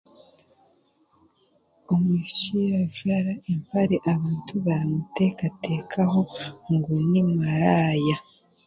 Omwisiki yaajwara empare abantu baramuteekateekaho ngu ni maraaya